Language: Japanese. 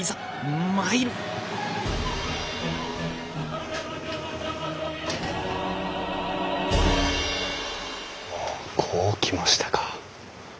ほうこう来ましたか。